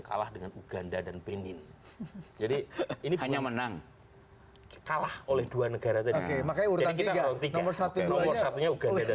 kalah dengan uganda dan benin jadi ini hanya menang kalah oleh dua negara dan oke makanya